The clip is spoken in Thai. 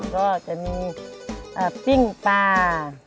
และจะมีฟิ้งปลา